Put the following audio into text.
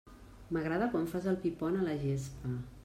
M'agrada quan fas el pi pont a la gespa.